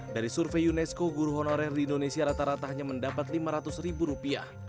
dari survei unesco guru honorer di indonesia rata rata hanya mendapat lima ratus ribu rupiah